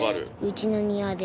うちの庭で。